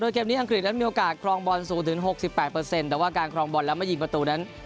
เกมนี้อังกฤษนั้นมีโอกาสครองบอลสูงถึง๖๘แต่ว่าการครองบอลแล้วไม่ยิงประตูนั้น